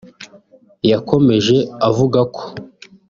yakomeje avuga ko